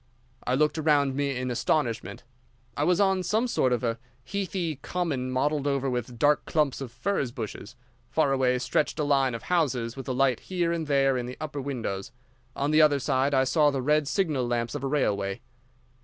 I looked around me in astonishment. I was on some sort of a heathy common mottled over with dark clumps of furze bushes. Far away stretched a line of houses, with a light here and there in the upper windows. On the other side I saw the red signal lamps of a railway.